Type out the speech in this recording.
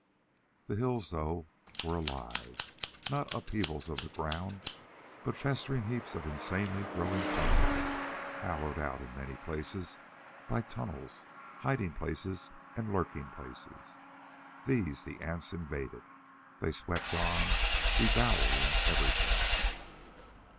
The hills, though, were alive, not upheavals of the ground but festering heaps of insanely growing fungus, hollowed out in many places by tunnels, hiding places, and lurking places. These the ants invaded. They swept on, devouring everything....